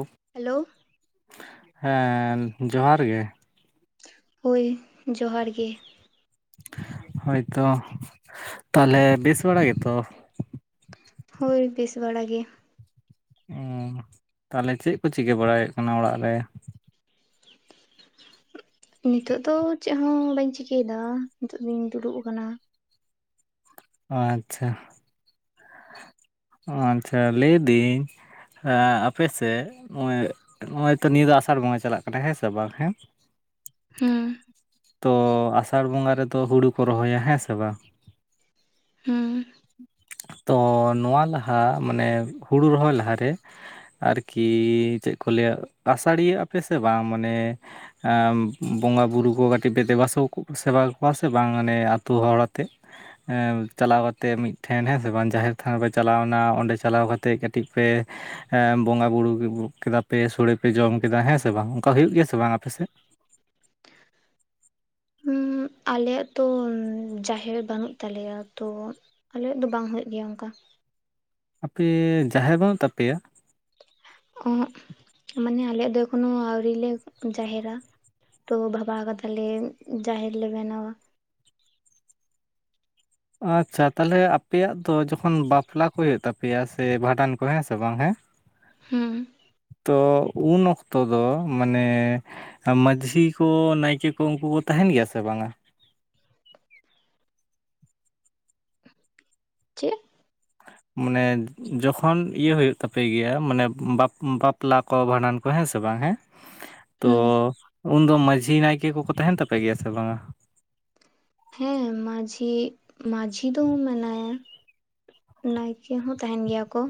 ᱚ᱾ ᱦᱮᱞᱳ᱾ ᱦᱮᱸ, ᱡᱚᱦᱟᱨ ᱜᱮ᱾ ᱦᱳᱭ, ᱡᱚᱦᱟᱨ ᱜᱮ᱾ ᱦᱳᱭ ᱛᱚ, ᱛᱟᱦᱞᱮ ᱵᱮᱥ ᱵᱟᱲᱟ ᱜᱮᱛᱚ? ᱦᱳᱭ, ᱵᱮᱥ ᱵᱟᱲᱟᱜ ᱜᱮ᱾ ᱚ ᱛᱟᱦᱞᱮ ᱪᱮᱜ ᱠᱚ ᱪᱤᱠᱟᱹ ᱵᱟᱲᱟᱭ ᱦᱩᱭᱩᱜ ᱠᱟᱱᱟ ᱚᱲᱟᱜ ᱨᱮ᱾ ᱱᱤᱛᱚᱜ ᱫᱚ ᱪᱮᱜ ᱦᱚᱸ ᱵᱟᱹᱧ ᱪᱤᱠᱟᱹᱭᱮᱫᱟ ᱱᱤᱛᱚᱜ ᱫᱚᱧ ᱫᱩᱲᱩᱵ ᱠᱟᱱᱟ᱾ ᱟᱪᱪᱷᱟ᱾ ᱟᱪᱪᱷᱟ, ᱞᱟᱹᱭ ᱫᱤᱧ ᱟᱯᱮ ᱥᱮᱫ ᱱᱚᱜ-ᱚᱭ ᱱᱚᱜ-ᱚᱭ ᱛᱚ ᱱᱤᱭᱟᱹ ᱫᱚ ᱟᱥᱟᱲ ᱵᱚᱸᱜᱟ ᱪᱟᱞᱟᱜ ᱠᱟᱱᱟ, ᱦᱮᱸ ᱥᱮ ᱵᱟᱝ ᱦᱮᱸ᱾ ᱦᱩᱸ ᱛᱚ ᱟᱥᱟᱲ ᱵᱚᱸᱜᱟ ᱨᱮᱫᱚ ᱦᱩᱲᱩ ᱠᱚ ᱨᱚᱦᱚᱭᱟ, ᱦᱮᱸ ᱥᱮ ᱵᱟᱝ? ᱦᱩᱸ᱾ ᱛᱚ ᱱᱚᱣᱟ ᱞᱟᱦᱟ ᱢᱟᱱᱮ ᱦᱩᱲᱩ ᱨᱚᱦᱚᱭ ᱞᱟᱦᱟᱨᱮ᱾ ᱟᱨᱠᱤ ᱪᱮᱜ ᱠᱚ ᱞᱟᱹᱭᱟ ᱟᱥᱟᱲᱤᱭᱟᱹ ᱟᱯᱮ ᱥᱮ ᱵᱟᱝ ᱢᱟᱱᱮ ᱵᱚᱸᱜᱟᱼᱵᱩᱨᱩ ᱠᱚ ᱠᱟᱹᱴᱤᱡ ᱯᱮ ᱫᱮᱵᱟ ᱥᱮᱵᱚ ᱥᱮᱵᱟ ᱠᱚᱣᱟ ᱥᱮ ᱵᱟᱝ ᱢᱟᱱᱮ ᱟᱛᱳ ᱦᱚᱲ ᱟᱛᱮᱫ? ᱦᱮᱸ, ᱪᱟᱞᱟᱣ ᱠᱟᱛ ᱛᱮ ᱢᱤᱫᱴᱷᱮᱱ ᱦᱮᱸ ᱥᱮ ᱵᱟᱝ, ᱡᱟᱦᱮᱨ ᱛᱷᱟᱱ ᱨᱮ ᱪᱟᱞᱟᱣ ᱮᱱᱟ ᱚᱸᱰᱮ ᱪᱟᱞᱟᱣ ᱠᱟᱛᱮᱫ ᱠᱟᱹᱴᱤᱡ ᱯᱮ ᱵᱚᱸᱜᱟ ᱵᱩᱨᱩ ᱵᱷᱳᱜ ᱠᱮᱫᱟ ᱯᱮ ᱥᱳᱲᱮ ᱯᱮ ᱡᱚᱢ ᱠᱮᱫᱟ ᱦᱮᱸ ᱥᱮ ᱵᱟᱝ, ᱚᱱᱠᱟ ᱦᱩᱭᱩᱜ ᱜᱮᱭᱟ ᱥᱮ ᱵᱟᱝ ᱟᱯᱮ ᱥᱮᱫ? [inaudible] ᱦᱩᱸ, ᱟᱞᱮᱭᱟᱜ ᱛᱚ ᱡᱟᱦᱮᱨ ᱵᱟᱹᱱᱩᱜ ᱛᱟᱞᱮᱭᱟ, ᱛᱚ ᱟᱞᱮᱭᱟᱜ ᱫᱚ ᱵᱟᱝ ᱦᱳᱭᱳᱜ ᱜᱮᱭᱟ ᱚᱝᱠᱟ᱾ ᱟᱯᱮ ᱡᱟᱦᱮᱨ ᱵᱟᱹᱱᱩᱜ ᱛᱟᱯᱮᱭᱟ? ᱚᱦᱚᱸᱜ ᱢᱟᱱᱮ ᱟᱞᱮᱭᱟᱜ ᱫᱚ ᱮᱠᱷᱚᱱᱳ ᱟᱹᱣᱨᱨᱤ ᱞᱮ ᱡᱟᱦᱮᱨᱟ᱾ ᱛᱚ ᱵᱷᱟᱵᱟᱣ ᱠᱟᱫᱟ ᱞᱮ ᱡᱟᱦᱮᱨ ᱞᱮ ᱵᱮᱱᱟᱣᱟ᱾ ᱟᱪᱪᱷᱟ, ᱛᱟᱦᱞᱮ ᱟᱯᱮᱭᱟᱜ ᱫᱚ ᱡᱚᱠᱷᱚᱱ ᱵᱟᱯᱞᱟ ᱠᱚ ᱦᱳᱭᱳᱜ ᱛᱟᱯᱮᱭᱟ ᱥᱮ ᱵᱷᱟᱰᱟᱱ ᱠᱚ, ᱦᱮᱸ ᱥᱮ ᱵᱟᱝ ᱦᱮᱸ᱾ ᱦᱩᱸ᱾ ᱛᱚ ᱩᱱ ᱚᱠᱛᱚ ᱫᱚ ᱢᱟᱱᱮ ᱢᱟᱺᱡᱷᱤ ᱠᱚ ᱱᱟᱭᱠᱮ ᱠᱚ, ᱩᱱᱠᱩ ᱠᱚ ᱛᱟᱦᱮᱱ ᱜᱮᱭᱟ ᱥᱮ ᱵᱟᱝᱟ? ᱪᱮᱫ? ᱢᱟᱱᱮ ᱡᱚᱠᱷᱚᱱ ᱤᱭᱟᱹ ᱦᱳᱭᱳᱜ ᱛᱟᱯᱮ ᱜᱮᱭᱟ ᱢᱟᱱᱮ ᱵᱟᱯ ᱵᱟᱯᱞᱟ ᱠᱚ ᱵᱷᱟᱸᱰᱟᱱ ᱠᱚ ᱦᱮᱸ ᱥᱮ ᱵᱟᱝ ᱦᱮᱸ, ᱛᱚ ᱦᱩᱸ ᱩᱱᱫᱚ ᱢᱟᱺᱡᱷᱤ ᱱᱟᱭᱠᱮ ᱠᱚᱠᱚ ᱛᱟᱦᱮᱱ ᱛᱟᱯᱮ ᱜᱮᱭᱟ ᱥᱮ ᱵᱟᱝᱟ? ᱦᱮᱸ, ᱢᱟᱹᱡᱷᱤ ᱢᱟᱹᱡᱷᱤ ᱫᱚ ᱢᱮᱱᱟᱭᱟ᱾ ᱱᱟᱭᱠᱮ ᱦᱚᱸ ᱛᱟᱦᱮᱱ ᱜᱮᱭᱟ ᱠᱚ᱾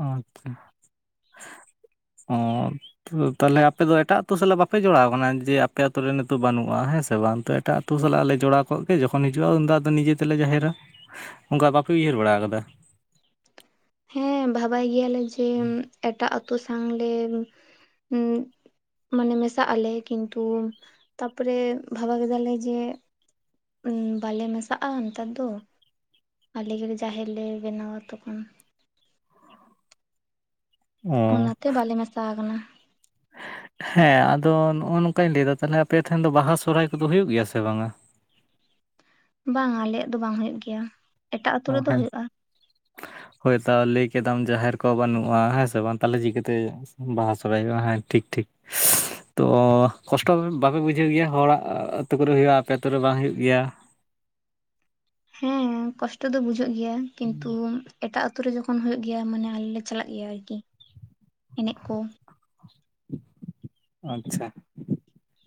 ᱚ ᱟᱪᱪᱷᱟ ᱚ᱾ ᱛᱚ ᱛᱟᱦᱚᱞᱮ ᱟᱯᱮ ᱫᱚ ᱮᱴᱟᱜ ᱟᱛᱳ ᱥᱟᱞᱟᱜ ᱵᱟᱯᱮ ᱡᱚᱲᱟᱣ ᱠᱟᱱᱟ ᱡᱮ ᱟᱯᱮ ᱟᱛᱳ ᱨᱮ ᱱᱤᱛᱳᱜ ᱵᱟᱹᱱᱩᱜᱼᱟ ᱦᱮᱸ ᱥᱮ ᱵᱟᱝ, ᱛᱚ ᱮᱴᱟᱜ ᱟᱹᱛᱩ ᱥᱟᱞᱟᱜ ᱞᱮ ᱡᱚᱲᱟᱣ ᱠᱚᱜ ᱜᱮ᱾ ᱡᱚᱠᱷᱚᱱ ᱦᱤᱡᱩᱜᱼᱟ ᱩᱱᱫᱚ ᱟᱫᱚ ᱱᱤᱡᱮ ᱛᱮᱞᱮ ᱡᱟᱦᱮᱨᱟ᱾ ᱚᱱᱠᱟ ᱵᱟᱯᱮ ᱩᱭᱦᱟᱹᱨ ᱵᱟᱲᱟ ᱟᱠᱟᱫᱟ? ᱦᱮᱸ ᱵᱷᱟᱵᱟᱭ ᱜᱮᱭᱟᱞᱮ ᱡᱮ ᱮᱴᱟᱜ ᱟᱛᱳ ᱥᱟᱶᱞᱮ ᱦᱩᱸ ᱢᱟᱱᱮ ᱢᱮᱥᱟᱜ ᱟᱞᱮ᱾ ᱠᱤᱱᱛᱩ ᱛᱟᱯᱚᱨᱮ ᱵᱷᱟᱵᱟ ᱠᱮᱫᱟᱞᱮ ᱡᱮ ᱩᱸ ᱵᱟᱞᱮ ᱢᱮᱥᱟᱜᱼᱟ ᱱᱮᱛᱟᱨ ᱫᱚ᱾ ᱟᱞᱮ ᱜᱮᱞᱮ ᱡᱟᱦᱮᱨ ᱞᱮ ᱵᱮᱱᱟᱣᱟ ᱛᱚᱠᱷᱚᱱ᱾ ᱚ ᱚᱱᱟᱛᱮ ᱵᱟᱞᱮ ᱢᱮᱥᱟ ᱟᱠᱟᱱᱟ᱾ ᱦᱮᱸ ᱟᱫᱚ ᱱᱚᱜᱼᱚ ᱱᱚᱝᱠᱟᱧ ᱞᱟᱹᱭᱫᱟ ᱛᱟᱞᱦᱮ ᱟᱯᱮ ᱴᱷᱮᱱ ᱫᱚ ᱵᱟᱦᱟ ᱥᱚᱨᱦᱟᱭ ᱠᱚᱫᱚ ᱦᱩᱭᱩᱜ ᱜᱮᱭᱟ ᱥᱮ ᱵᱟᱝᱟ? ᱵᱟᱝ ᱟᱞᱮᱭᱟᱜ ᱫᱚ ᱵᱟᱝ ᱦᱳᱭᱳᱜ ᱜᱮᱭᱟ᱾ᱮᱴᱟᱜ ᱟᱛᱳ ᱚ ᱨᱮᱫᱚ ᱦᱮᱸ ᱦᱩᱭᱩᱜᱼᱟ᱾ ᱦᱳᱭ ᱛᱚ ᱞᱟᱹᱭ ᱠᱮᱫᱟᱢ ᱡᱟᱦᱮᱨ ᱠᱚ ᱵᱟᱹᱱᱩᱜᱼᱟ ᱦᱮᱸ ᱥᱮ ᱵᱟᱝ ᱛᱟᱦᱞᱮ ᱪᱷᱤᱠᱟᱹᱛᱮ ᱦᱩᱭᱩᱜ-ᱟ? ᱵᱟᱦᱟ ᱥᱚᱨᱦᱟᱭ ᱵᱟᱭ ᱦᱮᱸ ᱴᱷᱤᱠ ᱴᱷᱤᱠ᱾ ᱛᱚ ᱠᱚᱥᱴᱚ ᱵᱟᱯᱮ ᱵᱩᱡᱷᱟᱹᱣ ᱜᱮᱭᱟ ᱦᱚᱲᱟᱜ ᱟᱹᱛᱩ ᱠᱚᱨᱮ ᱦᱩᱭᱩᱜᱼᱟ ᱟᱯᱮ ᱟᱛᱩ ᱨᱮ ᱵᱟᱝ ᱦᱩᱭᱩᱜ ᱜᱮᱭᱟ? ᱦᱮᱸ ᱠᱚᱥᱴᱚ ᱫᱚ ᱵᱩᱡᱷᱟᱹᱜ ᱜᱮᱭᱟ ᱠᱤᱱᱛᱩ ᱮᱴᱟᱜ ᱟᱛᱳ ᱨᱮ ᱡᱚᱠᱷᱚᱱ ᱦᱩᱭᱩᱜ ᱜᱮᱭᱟ ᱢᱟᱱᱮ ᱟᱞᱮ ᱞᱮ ᱪᱟᱞᱟᱜ ᱜᱮᱭᱟ ᱟᱨᱠᱤ ᱮᱱᱮᱡ ᱠᱚ᱾ ᱟᱪᱪᱷᱟ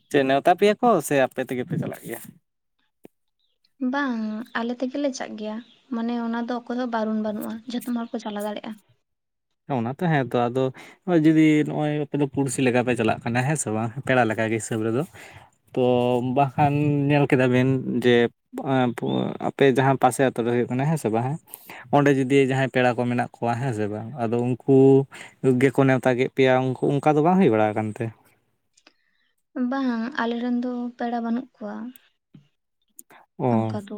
ᱪᱮᱫ ᱱᱮᱣᱛᱟ ᱯᱮᱭᱟ ᱠᱚ ᱥᱮ ᱟᱯᱮ ᱛᱮᱜᱮ ᱯᱮ ᱪᱟᱞᱟᱜ ᱜᱮᱭᱟ? ᱵᱟᱝ ᱟᱞᱮ ᱛᱮᱜᱮᱞᱮ ᱪᱟᱜ ᱜᱮᱭᱟ᱾ ᱢᱟᱱᱮ ᱚᱱᱟᱫᱚ ᱚᱠᱚᱭ ᱦᱚᱸ ᱵᱟᱨᱩᱱ ᱵᱟᱹᱱᱩᱜᱼᱟ ᱡᱚᱛᱚᱢ ᱦᱚᱲᱠᱚ ᱪᱟᱞᱟᱣ ᱫᱟᱲᱮᱭᱟᱜᱼᱟ᱾ ᱚᱱᱟ ᱛᱚ ᱦᱮᱸᱛᱚ ᱟᱫᱚ ᱦᱚᱸᱜ-ᱚᱭ ᱡᱩᱫᱤ ᱱᱚᱜᱼᱚᱭ ᱟᱯᱮ ᱫᱚ ᱯᱩᱲᱥᱤ ᱞᱮᱠᱟᱯᱮ ᱪᱟᱞᱟᱜ ᱠᱟᱱᱟ ᱦᱮᱸ ᱥᱮ ᱵᱟᱝ᱾ ᱯᱮᱲᱟ ᱞᱮ ᱞᱮᱠᱟᱟᱜᱮ ᱦᱤᱥᱟᱹᱵ ᱨᱮᱫᱚ᱾ ᱛᱚ ᱵᱟᱝᱠᱷᱟᱱ ᱧᱮᱞ ᱠᱮᱫᱟᱵᱤᱱ ᱡᱮ? ᱟᱯᱮ ᱡᱟᱦᱟᱸ ᱯᱟᱥᱮ ᱟᱛᱳ ᱨᱮ ᱦᱩᱭᱩᱜ ᱠᱟᱱᱟ ᱦᱮᱸ ᱥᱮ ᱵᱟᱝ ᱦᱮᱸ? ᱚᱸᱰᱮ ᱡᱩᱫᱤ ᱡᱟᱦᱟᱸᱭ ᱯᱮᱲᱟ ᱠᱚ ᱢᱮᱱᱟᱜ ᱠᱚᱣᱟ ᱦᱮᱸ ᱥᱮ ᱵᱟᱝ? ᱟᱫᱚ ᱩᱱᱠᱩ ᱜᱮᱠᱚ ᱱᱮᱣᱛᱟ ᱠᱮᱫ ᱯᱮᱭᱟ ᱩᱱᱠᱩ ᱚᱱᱠᱟ ᱫᱚ ᱵᱟᱝ ᱦᱩᱭ ᱵᱟᱲᱟ ᱟᱠᱟᱱᱛᱮ? ᱵᱟᱝ ᱟᱞᱮᱨᱮᱱ ᱫᱚ ᱯᱮᱲᱟ ᱵᱟᱹᱱᱩᱜ ᱠᱚᱣᱟ ᱚ ᱚᱱᱠᱟ ᱫᱚ᱾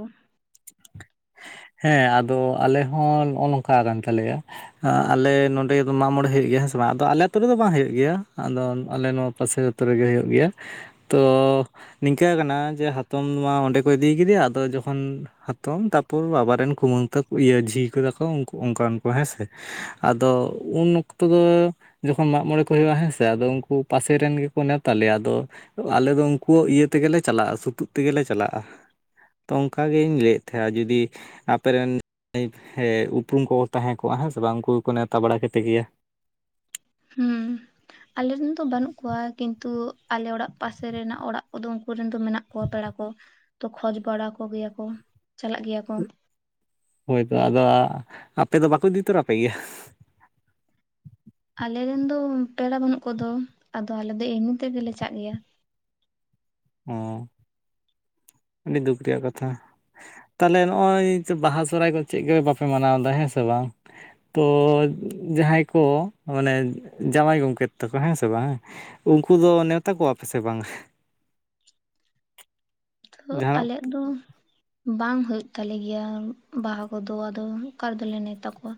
ᱦᱮᱸ ᱟᱫᱚ ᱟᱞᱮ ᱦᱚᱸ ᱱᱚᱜᱼᱚ ᱱᱚᱝᱠᱟ ᱠᱟᱱ ᱛᱟᱞᱮᱭᱟ᱾ ᱦᱟᱸ ᱟᱞᱮ ᱱᱚᱸᱰᱮ ᱫᱚ ᱢᱟᱜᱽ ᱢᱚᱬᱮ ᱦᱩᱭᱩᱜ ᱜᱮᱭᱟ ᱦᱮᱸ ᱥᱮ ᱵᱟᱝ᱾ ᱟᱫᱚ ᱟᱞᱮ ᱟᱹᱛᱩ ᱨᱮᱫᱚ ᱵᱟᱝ ᱦᱩᱭᱩᱜ ᱜᱮᱭᱟ ᱟᱫᱚ ᱟᱞᱮ ᱱᱚᱣᱟ ᱯᱟᱥᱮ ᱟᱛᱚ ᱨᱮᱜᱮ ᱦᱩᱭᱩᱜ ᱜᱮᱭᱟ᱾ ᱛᱚ ᱱᱤᱝᱠᱟᱹᱣ ᱠᱟᱱᱟ ᱡᱮ ᱦᱟᱛᱚᱢ ᱫᱚ ᱢᱟ ᱚᱸᱰᱮ ᱠᱚ ᱤᱫᱤ ᱠᱮᱫᱮᱭᱟ ᱟᱫᱚ ᱡᱚᱠᱷᱚᱱ ᱦᱟᱛᱚᱢ ᱛᱟᱯ ᱯᱷᱩᱞ ᱵᱟᱵᱟᱨᱮᱱ ᱠᱩᱢᱟᱹᱝ ᱛᱟᱠᱚ ᱤᱭᱟᱹ ᱡᱷᱤ ᱠᱮᱫᱟ ᱠᱚ ᱩᱱᱠᱩ ᱚᱱᱠᱟᱱ ᱠᱚ ᱦᱮᱸ ᱥᱮ᱾ ᱟᱫᱚ ᱩᱱ ᱚᱠᱛᱚ ᱫᱚ ᱡᱚᱠᱷᱚᱱ ᱢᱟᱸᱜᱽ ᱢᱚᱸᱬᱮ ᱠᱚ ᱦᱩᱭᱩᱜ-ᱟ ᱦᱮᱸ ᱥᱮ ᱟᱫᱚ ᱩᱱᱠᱩ ᱯᱟᱥᱮ ᱨᱮᱱ ᱜᱮᱠᱚ ᱱᱮᱶᱛᱟ ᱞᱮᱭᱟ ᱟᱫᱚ ᱟᱞᱮ ᱫᱚ ᱩᱱᱠᱩᱭᱟᱜ ᱤᱭᱟᱹ ᱛᱮ ᱜᱮᱞᱮ ᱪᱟᱞᱟᱜ-ᱟ ᱥᱩᱛᱩᱜ ᱛᱮ ᱜᱮᱞᱮ ᱪᱟᱞᱟᱜ-ᱟ᱾ ᱛᱚ ᱚᱝᱠᱟ ᱜᱮᱧ ᱞᱟᱹᱭᱮᱜ ᱛᱟᱦᱮᱸᱜ-ᱟ ᱡᱩᱫᱤ ᱟᱯᱮ ᱨᱮᱱ ᱦᱮᱸ ᱩᱯᱨᱩᱢ ᱠᱚ ᱠᱚ ᱛᱟᱦᱮᱸ ᱠᱚᱜ-ᱟ ᱦᱮᱸ ᱥᱮ ᱵᱟᱝ᱾ ᱩᱱᱠᱩ ᱜᱮᱠᱚ ᱱᱮᱶᱛᱟ ᱵᱟᱲᱟ ᱠᱮᱯᱮ ᱠᱮᱭᱟ᱾ ᱦᱩᱸ᱾ ᱟᱞᱮ ᱨᱮᱱ ᱫᱚ ᱵᱟᱹᱱᱩᱜ ᱠᱚᱣᱟ ᱠᱤᱱᱛᱩ ᱟᱞᱮ ᱚᱲᱟᱜ ᱯᱟᱥᱮ ᱨᱮᱱᱟᱜ ᱚᱲᱟᱜ ᱠᱚ ᱫᱚ ᱩᱱᱠᱩ ᱨᱮᱱ ᱫᱚ ᱢᱮᱱᱟᱜ ᱠᱚ ᱯᱮᱲᱟ ᱠᱚ᱾ ᱛᱚ ᱠᱷᱚᱡᱽ ᱵᱟᱲᱟ ᱠᱚ ᱜᱮᱭᱟ ᱠᱚ, ᱪᱟᱞᱟᱜ ᱜᱮᱭᱟ ᱠᱚ ᱦᱳᱭ ᱛᱚ ᱟᱫᱚ ᱟᱸ ᱟᱯᱮ ᱫᱚ ᱵᱟᱠᱚ ᱤᱫᱤ ᱛᱚᱨᱟ ᱯᱮ ᱜᱮᱭᱟ? ᱟᱞᱮ ᱨᱮᱱ ᱫᱚ ᱯᱮᱲᱟ ᱵᱟᱹᱱᱩᱜ ᱠᱚᱫᱚ ᱟᱫᱚ ᱟᱞᱮ ᱫᱚ ᱮᱢᱱᱤ ᱛᱮᱜᱮ ᱞᱮ ᱪᱟᱜ ᱜᱮᱭᱟ᱾ ᱚᱸ ᱟᱹᱰᱤ ᱫᱩᱠ ᱨᱮᱭᱟᱜ ᱠᱟᱛᱷᱟ᱾ ᱛᱟᱞᱦᱮ ᱱᱚᱜ-ᱚᱭ ᱡᱮ ᱵᱟᱦᱟ ᱥᱚᱨᱦᱟᱭ ᱠᱚ ᱪᱮᱫ ᱜᱮ ᱵᱟᱯᱮ ᱢᱟᱱᱟᱣ ᱫᱟ ᱦᱮᱸ ᱥᱮ ᱵᱟᱝ? ᱛᱚ ᱡᱟᱦᱟᱸᱭ ᱠᱚ ᱢᱟᱱᱮ ᱡᱟᱶᱟᱭ ᱜᱚᱢᱠᱮᱛ ᱛᱟᱠᱚ ᱦᱮᱸ ᱥᱮ ᱵᱟᱝ᱾ ᱩᱱᱠᱩ ᱫᱚ ᱱᱮᱶᱛᱟ ᱠᱚᱣᱟ ᱯᱮ ᱥᱮ ᱵᱟᱝ? ᱛᱚ ᱡᱟᱦᱟᱱᱟᱜ ᱟᱞᱮᱭᱟᱜ ᱫᱚ ᱵᱟᱝ ᱦᱳᱭᱳᱜ ᱛᱟᱞᱮ ᱜᱮᱭᱟ ᱵᱟᱦᱟ ᱠᱚ᱾ ᱫᱚ ᱟᱫᱚ ᱚᱠᱟ ᱨᱮ ᱫᱚ ᱞᱮ ᱱᱮᱶᱛᱟ ᱠᱚᱣᱟ᱾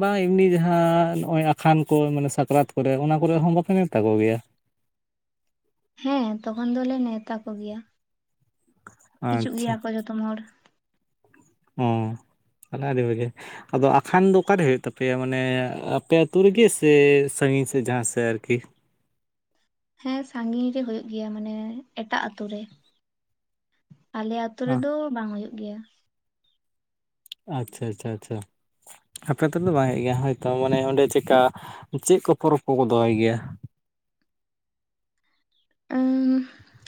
ᱵᱟᱝ ᱮᱢᱱᱤ ᱡᱟᱦᱟᱸ ᱱᱚᱜ-ᱚᱭ ᱟᱠᱷᱟᱱ ᱠᱚ ᱢᱟᱱᱮ ᱥᱟᱠᱨᱟᱛ ᱠᱚᱨᱮ ᱚᱱᱟ ᱠᱚ ᱨᱮ ᱦᱚᱸ ᱵᱟ ᱯᱮ ᱢᱮᱶᱛᱟ ᱠᱚ ᱜᱮᱭᱟ? ᱦᱮᱸ ᱛᱚᱠᱷᱚᱱ ᱫᱚ ᱞᱮ ᱱᱮᱣᱛᱟ ᱠᱚ ᱜᱮᱭᱟ, ᱦᱤᱡᱩᱜ ᱟᱪᱪᱷᱟ ᱜᱮᱭᱟ ᱠᱚ ᱡᱚᱛᱚᱢ ᱦᱚᱲ ᱾ ᱚᱸ, ᱛᱟᱞᱦᱮ ᱟᱹᱰᱤ ᱵᱷᱟᱸᱜᱮ ᱾ ᱟᱫᱚ ᱟᱠᱟᱱ ᱫᱚ ᱚᱠᱟ ᱨᱮ ᱦᱳᱭᱳᱜ ᱛᱟᱯᱮᱭᱟ ᱢᱟᱱᱮ ᱟᱯᱮ ᱟᱛᱳ ᱨᱮᱜᱮ ᱥᱮ ᱥᱟᱸᱜᱤᱧ ᱥᱮᱫ ᱡᱟᱦᱟᱸ ᱥᱮᱜ ᱟᱨᱠᱤ? ᱦᱮᱸ ᱥᱟᱸᱜᱤᱧ ᱨᱮ ᱦᱳᱭᱳᱜ ᱜᱮᱭᱟ ᱢᱟᱱᱮ ᱮᱴᱟᱜ ᱟᱛᱳ ᱨᱮ ᱾ ᱟᱞᱮ ᱟᱹᱛᱳ ᱨᱮ ᱫᱚ ᱵᱟᱝ ᱦᱩᱭᱩᱜ ᱜᱮᱭᱟ ᱾ ᱟᱪᱪᱷᱟ ᱟᱪᱪᱷᱟ ᱟᱪᱪᱷᱟ ᱾ ᱟᱯᱮ ᱟᱛᱳ ᱨᱮ ᱫᱚ ᱵᱟᱝ ᱦᱳᱭᱳᱜ ᱜᱮᱭᱟ, ᱦᱳᱭᱛᱚ ᱢᱟᱱᱮ ᱚᱸᱰᱮ ᱪᱮᱜ ᱠᱟ ᱪᱮᱫ ᱠᱚ ᱯᱚᱨᱚᱵᱽ ᱠᱚ ᱠᱚ ᱫᱚᱦᱚᱭ ᱜᱮᱭᱟ? ᱩᱸᱻ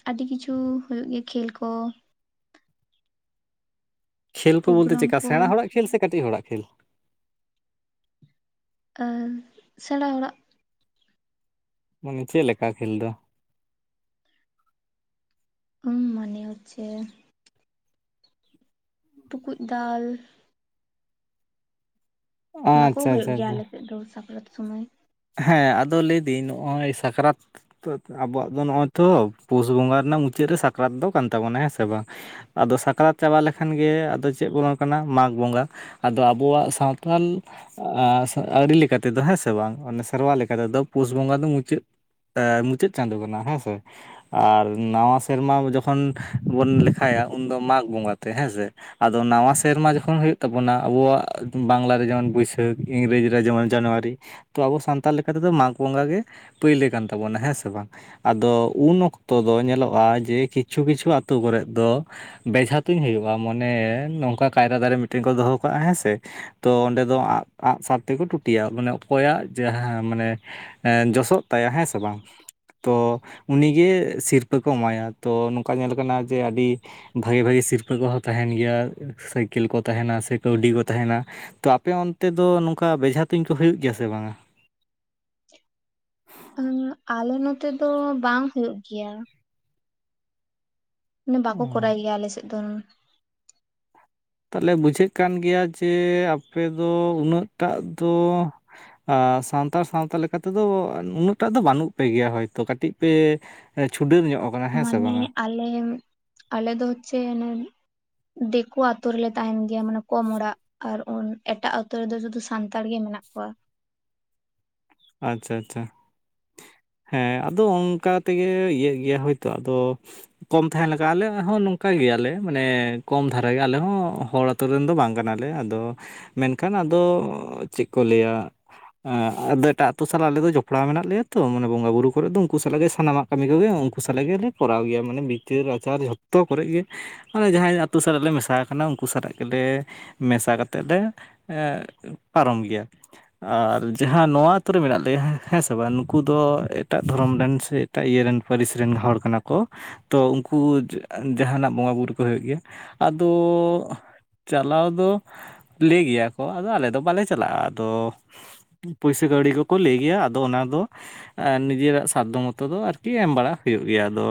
ᱟᱹᱰᱤ ᱠᱤᱪᱷᱩ ᱦᱩᱭᱩᱜ ᱜᱮᱭᱟ ᱠᱷᱮᱞ ᱠᱚ ᱾ ᱠᱷᱮᱞ ᱠᱚ ᱵᱚᱞᱛᱮ ᱯᱨᱳᱜᱨᱟᱢ ᱪᱮᱜ ᱠᱟ ᱠᱚ ᱥᱮᱸᱬᱟ ᱦᱚᱲᱟᱜ ᱠᱷᱮᱞ ᱥᱮ ᱠᱟᱹᱴᱤᱡ ᱦᱚᱲᱟᱜ ᱠᱷᱮᱞ? ᱟᱸ ᱥᱮᱸᱬᱟ ᱦᱚᱲᱟᱜ ᱾ ᱢᱟᱱᱮ ᱪᱮᱜ ᱞᱮᱠᱟ ᱠᱷᱮᱞ ᱫᱚ? ᱩᱸ ᱢᱟᱱᱮ ᱦᱚᱪᱪᱷᱮ ᱴᱩᱠᱩᱡ ᱫᱟᱞ, ᱚᱱᱟ ᱟᱪᱪᱷᱟ ᱠᱚ ᱟᱪᱪᱷᱟ ᱦᱳᱭᱳᱜ ᱟᱪᱪᱷᱟ ᱜᱮᱭᱟ ᱟᱞᱮ ᱥᱮᱫ ᱫᱚ ᱥᱟᱠᱨᱟᱛ ᱥᱩᱢᱟᱹᱭ ᱾ ᱦᱮᱸ ᱟᱫᱚ ᱞᱟᱹᱭ ᱫᱤᱧ ᱱᱚᱜ-ᱚᱭ ᱥᱟᱠᱨᱟᱛ ᱛᱚ ᱟᱵᱚᱣᱟᱜ ᱫᱚ ᱱᱚᱜ-ᱚᱭ ᱛᱚ ᱯᱩᱥ ᱵᱚᱸᱜᱟ ᱨᱮᱱᱟᱜ ᱢᱩᱪᱟᱹᱫ ᱨᱮ ᱥᱟᱠᱨᱟᱛ ᱫᱚ ᱠᱟᱱ ᱛᱟᱵᱚᱱᱟ ᱦᱮᱸ ᱥᱮ ᱵᱟᱝ? ᱟᱫᱚ ᱥᱟᱠᱨᱟᱛ ᱪᱟᱵᱟ ᱞᱮᱠᱷᱟᱱ ᱜᱮ ᱟᱫᱚ ᱪᱮᱫ ᱵᱚᱞᱚᱱ ᱠᱟᱱᱟ ᱢᱟᱸᱜᱽ ᱵᱚᱸᱜᱟ ᱟᱫᱚ ᱟᱵᱚᱣᱟᱜ ᱥᱟᱶᱛᱟᱞ ᱟᱹᱨᱤ ᱞᱮᱠᱟ ᱛᱮ ᱫᱚ ᱦᱮᱸ ᱥᱮ ᱵᱟᱝ? ᱢᱟᱱᱮ ᱥᱮᱨᱣᱟ ᱞᱮᱠᱟ ᱛᱮ ᱫᱚ ᱯᱩᱥ ᱵᱚᱸᱜᱟ ᱫᱚ ᱢᱩᱪᱟᱹᱫ ᱮᱸ ᱢᱩᱪᱟᱹᱫ ᱪᱟᱸᱫᱳ ᱠᱟᱱᱟ ᱦᱮᱸ ᱥᱮ ᱾ ᱟᱨ ᱱᱟᱣᱟ ᱥᱮᱨᱢᱟ ᱡᱚᱠᱷᱚᱱ ᱵᱚᱱ ᱞᱮᱠᱷᱟᱭᱟ ᱩᱱᱫᱚ ᱢᱟᱸᱜᱽ ᱵᱚᱸᱜᱟ ᱛᱮ ᱦᱮᱸ ᱥᱮ ᱾ ᱟᱫᱚ ᱱᱟᱣᱟ ᱥᱮᱨᱢᱟ ᱡᱚᱠᱷᱚᱱ ᱦᱩᱭᱩᱜ ᱛᱟᱵᱚᱱᱟ ᱟᱵᱚᱣᱟᱜ ᱵᱟᱝᱞᱟ ᱨᱮ ᱡᱮᱢᱚᱱ ᱵᱟᱹᱭᱥᱟᱹᱠᱷ, ᱤᱝᱨᱮᱡᱤ ᱨᱮ ᱡᱮᱢᱚᱱ ᱡᱟᱱᱣᱟᱨᱤ, ᱛᱚ ᱟᱵᱚ ᱥᱟᱱᱛᱟᱲ ᱞᱮᱠᱟ ᱛᱮ ᱫᱚ ᱢᱟᱸᱜᱽ ᱵᱚᱸᱜᱟ ᱜᱮ ᱯᱟᱹᱭᱞᱟᱹ ᱠᱟᱱ ᱛᱟᱵᱚᱱᱟ ᱦᱮᱸ ᱥᱮ ᱵᱟᱝ? ᱟᱫᱚ ᱩᱱ ᱚᱠᱛᱚ ᱫᱚ ᱧᱮᱞᱚᱜ-ᱟ ᱡᱮ ᱠᱤᱪᱷᱩ ᱠᱤᱪᱷᱩ ᱟᱛᱳ ᱠᱚᱨᱮᱜ ᱫᱚ ᱵᱮᱡᱷᱟ ᱛᱩᱧ ᱦᱩᱭᱩᱜ-ᱟ ᱢᱟᱱᱮ ᱱᱚᱝᱠᱟ ᱠᱟᱭᱨᱟ ᱫᱟᱨᱮ ᱢᱤᱫᱴᱮᱱ ᱠᱚ ᱫᱚᱦᱚᱸ ᱠᱟᱜ-ᱟ ᱦᱮᱸ ᱥᱮ ᱾ ᱛᱚ ᱚᱸᱰᱮ ᱫᱚ ᱟᱸᱜ ᱟᱸᱜ-ᱥᱟᱨ ᱛᱮ ᱠᱚ ᱴᱩᱴᱤᱭᱟ ᱢᱟᱱᱮ ᱚᱠᱚᱭᱟᱜ ᱡᱟᱦᱟᱸ ᱢᱟᱱᱮ ᱡᱚᱥᱚᱜ ᱛᱟᱭᱟ ᱦᱮᱸ ᱥᱮ ᱵᱟᱝ ᱛᱚ ᱩᱱᱤ ᱜᱮ ᱥᱤᱨᱯᱟᱹ ᱠᱚ ᱮᱢᱟᱭᱟ ᱛᱚ ᱱᱚᱝᱠᱟ ᱧᱮᱞ ᱠᱟᱱᱟ ᱡᱮ ᱟᱹᱰᱤ ᱵᱷᱟᱜᱮ ᱵᱷᱟᱜᱮ ᱥᱤᱨᱯᱟᱹ ᱠᱚ ᱦᱚᱸ ᱛᱟᱦᱮᱱ ᱜᱮᱭᱟ ᱥᱟᱭᱠᱮᱞ ᱠᱚ ᱛᱟᱦᱮᱱᱟ ᱥᱮ ᱠᱟᱹᱣᱰᱤ ᱠᱚ ᱛᱟᱦᱮᱸᱱᱟ ᱾ ᱛᱚ ᱟᱯᱮ ᱚᱱᱛᱮ ᱫᱚ ᱱᱚᱝᱠᱟ ᱵᱮᱡᱷᱟ ᱛᱩᱧ ᱠᱚ ᱦᱩᱭᱩᱜ ᱜᱮᱭᱟ ᱥᱮ ᱵᱟᱝᱟ? ᱩᱸ ᱟᱞᱮ ᱱᱚᱛᱮ ᱫᱚ ᱵᱟᱝ ᱦᱩᱭᱳᱜ ᱜᱮᱭᱟ ᱾ ᱢᱟᱱᱣ ᱵᱟᱠᱚ ᱚ ᱠᱚᱨᱟᱭ ᱜᱮᱭᱟ ᱟᱞᱮ ᱥᱮᱫ ᱫᱚ ᱾ ᱛᱟᱦᱞᱮ ᱵᱩᱡᱷᱟᱹᱜ ᱠᱟᱱ ᱜᱮᱭᱟ ᱡᱮ ᱟᱯᱮ ᱫᱚ ᱩᱱᱟᱹᱜ ᱴᱟᱜ ᱫᱚ ᱟᱸ ᱥᱟᱱᱛᱟᱲ ᱥᱟᱶᱛᱟ ᱞᱮᱠᱟ ᱛᱮᱫᱚ ᱩᱱᱟᱹᱜ ᱴᱟᱜ ᱫᱚ ᱵᱟᱹᱱᱩᱜ ᱯᱮ ᱜᱮᱭᱟ, ᱦᱚᱭᱛᱳ ᱠᱟᱹᱴᱤᱡ ᱯᱮ ᱪᱷᱩᱰᱟᱹᱨ ᱧᱚᱜ ᱟᱠᱟᱱᱟ ᱦᱮᱸ ᱥᱮ ᱢᱟᱱᱮ ᱵᱟᱝᱟ ᱟᱞᱮ, ᱟᱞᱮ ᱫᱚ ᱦᱚᱪᱪᱷᱮ ᱚᱱᱮ ᱫᱤᱠᱳ ᱟᱛᱳ ᱨᱮᱞᱮ ᱛᱟᱦᱮᱱ ᱜᱮᱭᱟ ᱢᱟᱱᱮ ᱠᱚᱢ ᱚᱲᱟᱜ ᱾ ᱟᱨ ᱩᱱ ᱮᱴᱟᱜ ᱟᱛᱳ ᱨᱮᱫᱚ ᱡᱚᱛᱚ ᱥᱟᱱᱛᱟᱲ ᱜᱮ ᱢᱮᱱᱟᱜ ᱠᱚᱣᱟ ᱾ ᱟᱪᱪᱷᱟ ᱟᱪᱪᱷᱟ ᱾ ᱦᱮᱸ ᱟᱫᱚ ᱚᱱᱠᱟ ᱛᱮᱜᱮ ᱤᱭᱟᱹᱜ ᱜᱮᱭᱟ ᱦᱳᱭᱛᱳ, ᱟᱫᱚ ᱠᱚᱢ ᱛᱟᱦᱮᱱ ᱞᱮᱠᱟ ᱟᱞᱮᱭᱟᱜ ᱦᱚᱸ ᱱᱚᱝᱠᱟ ᱜᱮᱭᱟ ᱞᱮ ᱢᱟᱱᱮ ᱠᱚᱢ ᱫᱷᱟᱨᱟ ᱟᱞᱮ ᱦᱚᱸ ᱦᱚᱲ ᱟᱛᱳ ᱨᱮᱱ ᱫᱚ ᱵᱟᱝ ᱠᱟᱱᱟ ᱞᱮ, ᱟᱫᱚ ᱢᱮᱱᱠᱷᱟᱱ ᱟᱫᱚ ᱪᱮᱫ ᱠᱚ ᱞᱟᱹᱭᱟ ᱮᱸᱜ [unintelligible] ᱮᱴᱟᱜ ᱟᱛᱳ ᱥᱟᱞᱟᱜ ᱟᱞᱮ ᱫᱚ ᱡᱚᱯᱲᱟᱣ ᱢᱮᱱᱟᱜ ᱞᱮᱭᱟ ᱛᱚ ᱢᱟᱱᱮ ᱵᱚᱸᱜᱟ ᱵᱩᱨᱩ ᱠᱚᱨᱮ ᱫᱚ ᱩᱱᱠᱩ ᱥᱟᱞᱟᱜ ᱜᱮ ᱥᱟᱱᱟᱢᱟᱜ ᱠᱟᱹᱢᱤ ᱠᱚᱜᱮ ᱩᱱᱠᱩ ᱥᱟᱞᱟᱜ ᱜᱮᱞᱮ ᱠᱚᱨᱟᱣ ᱜᱮᱭᱟ ᱢᱟᱱᱮ ᱵᱤᱪᱟᱹᱨ ᱟᱪᱟᱨ ᱡᱷᱚᱛᱚ ᱠᱚᱨᱮ ᱜᱮ ᱟᱞᱮ ᱡᱟᱦᱟᱸᱭ ᱟᱛᱳ ᱥᱟᱞᱟᱜ ᱞᱮ ᱢᱮᱥᱟᱣ ᱠᱟᱱᱟ ᱩᱱᱠᱩ ᱥᱟᱞᱟᱜ ᱜᱮᱞᱮ ᱢᱮᱥᱟ ᱠᱟᱛᱮᱫ ᱞᱮ ᱮᱸ ᱯᱟᱨᱚᱢ ᱜᱮᱭᱟ ᱾ ᱟᱨ ᱡᱟᱦᱟᱸ ᱱᱚᱣᱟ ᱡᱷᱚᱛᱚ ᱜᱮ ᱢᱮᱱᱟᱜ ᱞᱮᱭᱟ ᱦᱮᱸ ᱥᱮ ᱵᱟᱝ ᱱᱩᱠᱩ ᱫᱚ ᱮᱴᱟᱜ ᱫᱷᱚᱨᱚᱢ ᱨᱮᱱ ᱥᱮ ᱮᱴᱟᱜ ᱤᱭᱟᱹ ᱨᱮᱱ ᱯᱟᱹᱨᱤᱥ ᱨᱮᱱ ᱦᱚᱲ ᱠᱟᱱᱟ ᱠᱚ᱾ ᱛᱚ ᱩᱱᱠᱩ ᱡᱟᱦᱟᱱᱟᱜ ᱵᱚᱸᱜᱟᱼᱵᱩᱨᱩ ᱠᱚ ᱦᱩᱭᱩᱜ ᱜᱮᱭᱟ, ᱟᱫᱚ ᱪᱟᱞᱟᱣ ᱫᱚ ᱞᱟᱹᱭ ᱜᱮᱭᱟ ᱠᱚ ᱟᱫᱚ ᱟᱞᱮ ᱫᱚ ᱵᱟᱞᱮ ᱪᱟᱞᱟᱜᱼᱟ ᱟᱫᱚ ᱯᱟᱥ ᱥᱮ ᱠᱟᱹᱣᱟᱹᱰᱤ ᱠᱚᱠᱚ ᱞᱟᱹᱭ ᱜᱮᱭᱟ ᱟᱫᱚ ᱚᱱᱟ ᱫᱚ ᱟᱨ ᱱᱤᱡᱮᱨᱟᱜ ᱥᱟᱫᱽᱫᱷᱚ ᱢᱚᱛᱚ ᱫᱚ ᱟᱨᱠᱤ ᱮᱢ ᱵᱟᱲᱟ ᱦᱩᱭᱩᱜ ᱜᱮᱭᱟ, ᱟᱫᱚ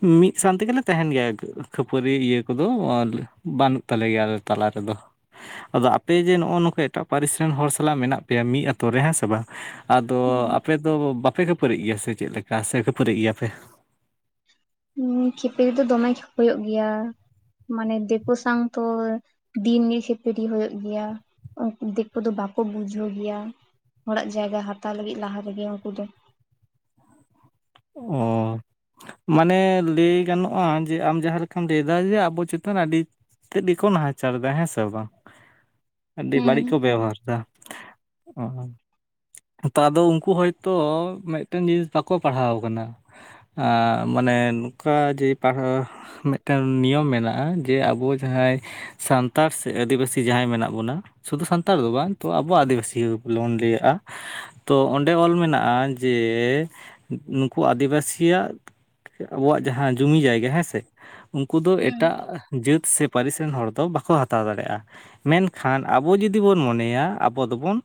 ᱢᱤᱫ ᱥᱟᱶ ᱛᱮᱜᱮᱞᱮ ᱛᱟᱦᱮᱱ ᱜᱮᱭᱟ ᱠᱷᱟᱹᱯᱟᱹᱨᱤ ᱤᱭᱟᱹ ᱠᱚᱫᱚ, ᱟᱨ ᱵᱟᱹᱱᱩᱜ ᱛᱟᱞᱮ ᱜᱮᱭᱟ ᱟᱞᱮ ᱛᱟᱞᱟ ᱨᱮᱫᱚ ᱾ ᱟᱫᱚ ᱟᱯᱮ ᱡᱮ ᱱᱚᱜᱼᱚ ᱱᱚᱝᱠᱟ ᱮᱴᱟᱜ ᱯᱟᱹᱨᱤᱥ ᱨᱮᱱ ᱦᱚᱲ ᱥᱟᱞᱟᱜ ᱢᱮᱱᱟᱜ ᱯᱮᱭᱟ ᱢᱤᱫ ᱟᱛᱳ ᱨᱮ ᱦᱮᱸᱥᱮ ᱟᱫᱚ ᱟᱯᱮ ᱫᱚ ᱵᱟᱯᱮ ᱠᱷᱟᱹᱯᱟᱹᱨᱤᱜ ᱜᱮᱭᱟ ᱥᱮ ᱪᱮᱫ ᱞᱮᱠᱟ ᱥᱮ ᱠᱷᱟᱹᱯᱟᱹᱨᱤᱜ ᱜᱮᱭᱟ ᱯᱮ? ᱦᱮᱸ ᱠᱷᱤᱯᱤ ᱫᱚ ᱫᱚᱢᱮ ᱜᱮ ᱦᱩᱭᱩᱜ ᱜᱮᱭᱟ᱾ ᱢᱟᱱᱮ ᱫᱤᱠᱩ ᱥᱟᱝ ᱛᱚ ᱫᱤᱱ ᱜᱮ ᱠᱷᱮᱯᱲᱤ ᱦᱩᱭᱩᱜ ᱜᱮᱭᱟ ᱾ ᱩᱱ ᱫᱤᱠᱩ ᱫᱚ ᱵᱟᱠᱚ ᱵᱩᱡᱷᱟᱹᱣ ᱜᱮᱭᱟ ᱦᱚᱲᱟᱜ ᱡᱟᱭᱜᱟ ᱦᱟᱛᱟᱣ ᱞᱟᱹᱜᱤᱫ ᱞᱟᱦᱟ ᱨᱮᱜᱮ ᱩᱱᱠᱩ ᱫᱚ ᱾ ᱚ ᱾ ᱢᱟᱱᱮ ᱞᱟᱹᱭ ᱜᱟᱱᱚᱜᱼᱟ ᱡᱮ ᱟᱢ ᱡᱟᱦᱟᱸ ᱞᱮᱠᱟᱢ ᱞᱟᱹᱭ ᱫᱟ ᱡᱮ ᱟᱵᱚ ᱪᱮᱛᱟᱱ ᱨᱮ ᱟᱹᱰᱤ ᱛᱮᱫ ᱜᱮᱠᱚ ᱱᱟᱦᱟᱪᱟᱨ ᱮᱫᱟ ᱦᱮᱸ ᱥᱮ ᱵᱟᱝ, ᱟᱹᱰᱤ ᱦᱩᱸ ᱵᱟᱹᱲᱤᱡ ᱠᱚ ᱵᱮᱵᱚᱦᱟᱨ ᱫᱟ᱾ ᱛᱚ ᱟᱫᱚ ᱩᱱᱠᱩ ᱦᱚᱭᱛᱳ ᱢᱤᱫᱴᱮᱱ ᱡᱤᱱᱤᱥ ᱵᱟᱠᱚ ᱯᱟᱲᱦᱟᱣ ᱟᱠᱟᱱᱟ, ᱢᱟᱱᱮ ᱮᱸ ᱱᱚᱝᱠᱟ ᱡᱮ ᱯᱟᱲᱦᱟᱣ ᱢᱤᱫᱴᱟᱝ ᱱᱤᱭᱚᱢ ᱢᱮᱱᱟᱜᱼᱟ ᱡᱮ ᱟᱵᱚ ᱡᱟᱦᱟᱸᱭ ᱥᱟᱱᱛᱟᱲ ᱥᱮ ᱟᱹᱫᱤᱵᱟᱹᱥᱤ ᱡᱟᱦᱟᱸᱭ ᱢᱮᱱᱟᱜ ᱵᱚᱱᱟ ᱥᱩᱫᱷᱩ ᱥᱟᱱᱛᱟᱲ ᱫᱚ ᱵᱟᱝ ᱛᱚ ᱟᱵᱚ ᱟᱹᱫᱤᱵᱟᱹᱥᱤ ᱜᱮᱵᱚᱱ ᱞᱟᱹᱭᱟᱜᱼᱟ, ᱛᱚ ᱚᱸᱰᱮ ᱚᱞ ᱢᱮᱱᱟᱜᱼᱟ ᱡᱮ ᱱᱩᱠᱩ ᱟᱹᱫᱤᱵᱥᱤᱭᱟᱜ ᱟᱵᱚᱣᱟᱜ ᱡᱟᱦᱟᱸ ᱡᱩᱢᱤ ᱡᱟᱭᱜᱟ ᱦᱮᱸ ᱥᱮ ᱩᱱᱠᱩ ᱫᱚ ᱮᱴᱟᱜ ᱡᱟᱹᱛ ᱥᱮ ᱯᱟᱹᱨᱤᱥ ᱨᱮᱱ ᱦᱚᱲ ᱫᱚ ᱵᱟᱠᱚ ᱦᱟᱛᱟᱣ ᱫᱟᱲᱮᱭᱟᱜᱼᱟ ᱾ ᱢᱮᱱᱠᱷᱟᱱ ᱟᱵᱚ ᱡᱩᱫᱤ ᱵᱚᱱ ᱢᱚᱱᱮᱭᱟ ᱟᱵᱚ ᱫᱚᱵᱚᱱ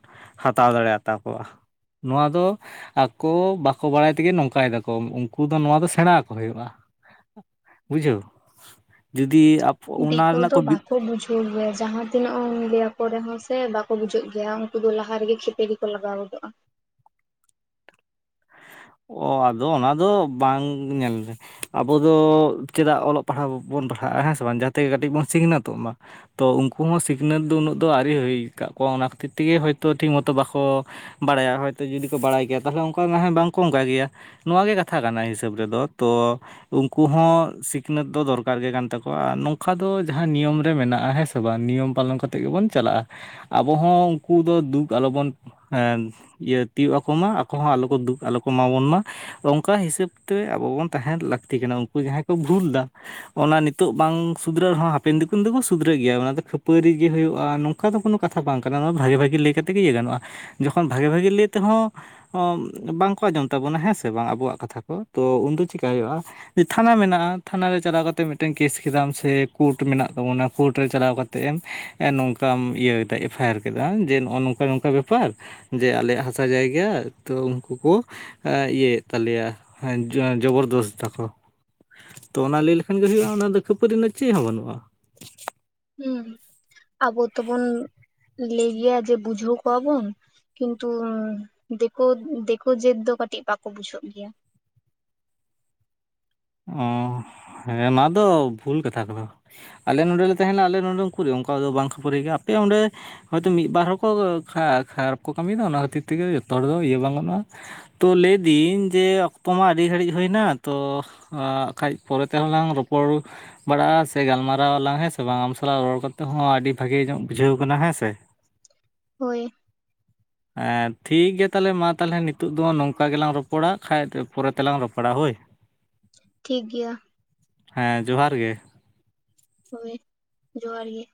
ᱦᱟᱛᱟᱣ ᱫᱟᱲᱮᱭ ᱟᱛᱟ ᱠᱚᱣᱟ᱾ ᱱᱚᱣᱟ ᱫᱚ ᱟᱠᱚ ᱵᱟ ᱵᱟᱠᱚ ᱵᱟᱲᱟᱭ ᱛᱮᱜᱮ ᱱᱚᱝᱠᱟᱭ ᱫᱟᱠᱚ ᱩᱱᱠᱩ ᱫᱚ ᱱᱚᱣᱟ ᱫᱚ ᱥᱮᱬᱟ ᱟᱠᱚ ᱦᱩᱭᱩᱜᱼᱟ᱾ ᱵᱩᱡᱷᱟᱹᱣ ᱡᱩᱫᱤ ᱚᱱᱟ ᱨᱮᱱᱟᱜ ᱠᱚ ᱪᱮᱫ ᱮᱢ ᱞᱟᱹᱭᱟ ᱡᱟᱦᱟᱸ ᱛᱤᱱᱟᱹᱜ ᱢᱤᱰᱤᱭᱟ ᱠᱚᱨᱮᱦᱚᱸ ᱥᱮ ᱵᱟᱠᱚ ᱵᱩᱡᱩᱜ ᱜᱮᱭᱟ ᱩᱱᱠᱩ ᱫᱚ ᱞᱟᱦᱟ ᱨᱮᱜᱮ ᱠᱷᱮᱯᱮᱨᱤ ᱜᱮᱠᱚ ᱞᱟᱜᱟᱣ ᱜᱚᱫᱚᱜᱼᱟ᱾ ᱚ ᱟᱫᱚ ᱚᱱᱟ ᱫᱚ ᱵᱟᱝ ᱧᱮᱞ ᱢᱮ ᱟᱵᱚ ᱫᱚ ᱪᱮᱫᱟᱜ ᱚᱞᱚᱜ ᱯᱟᱲᱦᱟᱜ ᱵᱚᱱ ᱯᱟᱲᱦᱟᱜᱼᱟ ᱦᱮᱸ ᱥᱮ ᱵᱟᱝ ᱡᱟᱦᱟᱸᱛᱮᱜᱮ ᱠᱟᱹᱴᱤᱡ ᱵᱚᱱ ᱥᱤᱠᱷᱱᱟᱹᱛᱚᱜ ᱢᱟ ᱾ ᱛᱚ ᱩᱱᱠᱩ ᱦᱚᱸ ᱥᱤᱠᱷᱱᱟᱹᱛ ᱫᱚ ᱩᱱᱟᱹᱜ ᱫᱚ ᱟᱹᱣᱨᱤ ᱦᱩᱭ ᱠᱟᱫ ᱠᱚᱣᱟ ᱚᱱᱟ ᱠᱷᱟᱹᱛᱤᱨ ᱛᱮᱜᱮ ᱦᱳᱭᱛᱳ ᱴᱷᱤᱠ ᱢᱚᱛᱚ ᱵᱟᱠᱚ ᱵᱟᱲᱟᱭᱟ ᱦᱚᱭᱛᱳ ᱡᱩᱫᱤ ᱠᱚ ᱵᱟᱲᱟᱭ ᱜᱮᱭᱟ ᱛᱟᱦᱚᱞᱮ ᱚᱱᱠᱟ ᱦᱮᱸ ᱵᱟᱝᱠᱚ ᱚᱱᱠᱟ ᱠᱮᱭᱟ᱾ ᱱᱚᱣᱟ ᱜᱮ ᱠᱟᱛᱷᱟ ᱠᱟᱱᱟ ᱦᱤᱥᱟᱹᱵ ᱨᱮᱫᱚ ᱛᱚ ᱩᱱᱠᱩ ᱦᱚᱸ ᱥᱤᱠᱷᱱᱟᱹᱛ ᱫᱚ ᱫᱚᱨᱠᱟᱨ ᱜᱮ ᱠᱟᱱ ᱛᱟᱠᱚᱣᱟ ᱱᱚᱝᱠᱟ ᱫᱚ ᱡᱟᱦᱟᱸ ᱱᱤᱭᱚᱢ ᱨᱮ ᱢᱮᱱᱟᱜᱼᱟ ᱦᱮᱸᱥᱮ [unintelligible] ᱱᱤᱭᱚᱢ ᱯᱟᱞᱚᱱ ᱠᱟᱛᱮᱜ ᱜᱮᱵᱚᱱ ᱪᱟᱞᱟᱜᱼᱟ, ᱟᱵᱚ ᱦᱚᱸ ᱩᱱᱠᱩ ᱫᱚ ᱫᱩᱠ ᱟᱞᱚᱵᱚᱱ ᱦᱮᱱ ᱤᱭᱟᱹ ᱛᱤᱭᱩᱜ ᱟᱠᱚ ᱢᱟ ᱟᱠᱚ ᱦᱚᱸ ᱟᱞᱚ ᱠᱚ ᱫᱩᱠ ᱟᱞᱚ ᱠᱚ ᱮᱢᱟ ᱵᱚᱱ ᱢᱟ ᱚᱝᱠᱟ ᱦᱤᱥᱟᱹᱵ ᱛᱮ ᱟᱵᱚ ᱵᱚᱱ ᱛᱟᱦᱮᱸᱱ ᱞᱟᱹᱠᱛᱤ ᱠᱟᱱᱟ ᱩᱱᱠᱩ ᱡᱟᱦᱟᱸᱭ ᱠᱚ ᱵᱷᱩᱞ ᱫᱟ ᱚᱱᱟ ᱱᱤᱛᱳᱜ ᱵᱟᱝ ᱥᱩᱫᱷᱨᱟᱹᱜ ᱨᱮᱦᱚᱸ ᱦᱟᱯᱮᱱ [inaudible] [inaudible] ᱥᱩᱫᱷᱨᱟᱹᱜ ᱜᱮᱭᱟ ᱚᱱᱟ ᱫᱚ ᱠᱷᱟᱹᱯᱟᱹᱨᱤ ᱜᱮ ᱦᱩᱭᱩᱜᱼᱟ, ᱱᱚᱝ ᱚᱱᱠᱟ ᱫᱚ ᱠᱳᱱᱳ ᱠᱟᱛᱷᱟ ᱵᱟᱝ ᱠᱟᱱᱟ ᱱᱚᱣᱟ ᱵᱷᱟᱜᱮ ᱵᱷᱟᱜᱤ ᱞᱟᱹᱭ ᱠᱟᱛᱮ ᱜᱮ ᱤᱭᱟᱹ ᱜᱟᱱᱚᱜᱼᱟ ᱡᱚᱠᱷᱚᱱ ᱵᱷᱟᱜᱮ ᱵᱷᱟᱜᱤ ᱞᱟᱹᱭ ᱛᱮᱦᱚᱸ ᱵᱟᱝᱠᱚ ᱟᱸᱡᱚᱢ ᱛᱟᱵᱚᱱᱟ ᱦᱮᱸ ᱥᱮ ᱵᱟᱝ ᱟᱵᱚᱣᱟᱜ ᱠᱟᱛᱷᱟ ᱠᱚ ᱛᱚ ᱩᱱᱫᱚ ᱪᱤᱠᱟᱭ ᱦᱩᱭᱩᱜᱼᱟ ᱮ ᱛᱷᱟᱱᱟ ᱢᱮᱱᱟᱜᱼᱟ ᱛᱷᱟᱱᱟ ᱨᱮ ᱪᱟᱞᱟᱣ ᱠᱟᱛᱮᱜ ᱢᱤᱫᱴᱮᱱ ᱠᱮᱥ ᱠᱮᱫᱟᱢ ᱥᱮ ᱠᱳᱨᱴ ᱢᱮᱱᱟᱜ ᱛᱟᱵᱚᱱᱟ ᱠᱳᱴ ᱨᱮ ᱪᱟᱞᱟᱣ ᱠᱟᱛ ᱛᱮ ᱮᱢ ᱱᱚᱝᱠᱟᱢ ᱤᱭᱟᱹᱭ ᱮᱫᱟ ᱮᱯᱷᱟᱭᱟᱨ ᱠᱮᱫᱟᱢ ᱡᱮ ᱱᱚᱜᱚ ᱱᱚᱝᱠᱟ ᱱᱚᱝᱠᱟ ᱵᱮᱯᱟᱨ ᱡᱮ ᱟᱞᱮᱭᱟᱜ ᱦᱟᱥᱟ ᱡᱟᱭᱜᱟ ᱛᱚ ᱩᱱᱠᱩ ᱠᱚ, ᱮ ᱤᱭᱟᱹᱭᱮᱫ ᱛᱟᱞᱮᱭᱟ ᱡᱚᱵᱚᱨᱫᱚᱥ ᱫᱟᱠᱚ, ᱛᱚ ᱚᱱᱟ ᱞᱟᱹᱭ ᱞᱮᱠᱷᱟᱱ ᱜᱮ ᱦᱩᱭᱩᱜ-ᱟ ᱚᱱᱟ ᱫᱚ ᱠᱷᱟᱹᱯᱟᱹᱨᱤ ᱨᱮᱱᱟᱜ ᱪᱮᱫ ᱦᱚᱸ ᱵᱟᱹᱱᱩᱜ-ᱟ᱾ ᱦᱩ ᱟᱵᱚ ᱛᱚ ᱵᱚᱱ ᱞᱟᱹᱭ ᱜᱮᱭᱟ ᱡᱮ ᱵᱩᱡᱷᱟᱹᱣ ᱠᱚᱣᱟ ᱵᱚᱱ ᱠᱤᱱᱛᱩ ᱫᱮᱠᱳ ᱫᱮᱠᱳ ᱡᱟᱹᱛ ᱫᱚ ᱠᱟᱹᱴᱤᱡ ᱵᱟᱠᱚ ᱵᱩᱡᱷᱟᱹᱣ ᱜᱮᱭᱟ᱾ ᱚ ᱦᱮᱸ ᱚᱱᱟ ᱫᱚ ᱵᱷᱩᱞ ᱠᱟᱛᱷᱟ ᱠᱟᱱᱟ᱾ ᱟᱞᱮ ᱱᱚᱸᱰᱮ ᱞᱮ ᱛᱟᱦᱮᱱᱟ ᱟᱞᱮ ᱱᱚᱰᱮ ᱩᱠᱩᱨᱤ ᱚᱝᱠᱟ ᱫᱚ ᱵᱟᱝ ᱠᱷᱟᱹᱯᱟᱹᱨᱤ ᱜᱮᱭᱟ ᱟᱯᱮ ᱚᱸᱰᱮ, ᱦᱚᱭ ᱛᱚ ᱢᱤᱫᱵᱟᱨ ᱦᱚᱲᱠᱚ ᱠᱷᱟᱨᱟᱯ ᱠᱷᱟᱨᱟᱯ ᱠᱚ ᱠᱟᱹᱢᱤ ᱫᱟ ᱟᱱᱟ ᱠᱷᱟᱹᱛᱤᱨ ᱛᱮᱜᱮ ᱡᱚᱛᱚ ᱦᱚᱲ ᱫᱚ ᱤᱭᱟᱹ ᱵᱟᱝ ᱜᱟᱱᱚᱜ-ᱟ᱾ ᱛᱚ ᱞᱟᱹᱭ ᱫᱟᱹᱧ ᱡᱮ ᱚᱠᱛᱚ ᱢᱟ ᱟᱹᱰᱤ ᱜᱷᱟᱹᱲᱤᱡ ᱦᱳᱭ ᱱᱟ ᱛᱚ, ᱦᱟᱸᱜ ᱠᱷᱟᱡ ᱯᱚᱨᱮ ᱛᱮ ᱦᱟᱸᱜ ᱞᱟᱝ ᱨᱚᱯᱚᱲ, ᱵᱟᱲᱟᱜ-ᱟ ᱥᱮ ᱜᱟᱞᱢᱟᱨᱟᱣ ᱟᱞᱟᱝ ᱦᱮᱸ ᱥᱮ ᱵᱟᱝ ᱟᱢ ᱥᱟᱞᱟᱜ ᱨᱚᱲ ᱠᱟᱛᱮ ᱦᱚᱸ ᱟᱹᱰᱤ ᱵᱷᱟᱜᱮ ᱧᱚᱜ ᱵᱩᱡᱷᱟᱹᱣ ᱠᱟᱱᱟ ᱦᱮᱸ ᱥᱮ, [inaudible] ᱦᱳᱭ᱾ [inaudible] ᱮ ᱴᱷᱤᱠ ᱜᱮᱭᱟ ᱛᱟᱦᱚᱞᱮ ᱢᱟ ᱛᱟᱦᱚᱞᱮ ᱱᱤᱛᱳᱜ ᱫᱚ ᱱᱚᱝᱠᱟ ᱜᱮᱞᱟᱝ ᱨᱚᱯᱚᱲᱟ ᱠᱷᱟᱡ ᱯᱚᱨᱮ ᱛᱮᱞᱟᱝ ᱨᱚᱯᱚᱲᱟ ᱦᱳᱭ᱾ ᱴᱷᱤᱠ ᱜᱮᱭᱟ᱾ ᱦᱮᱸ ᱡᱚᱦᱟᱨ ᱜᱮ, ᱦᱳᱭ ᱡᱚᱦᱟᱨ ᱜᱮ,